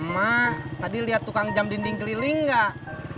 ma tadi liat tukang jam dinding keliling gak